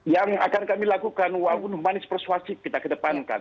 yang akan kami lakukan wawun manis persuasi kita kedepankan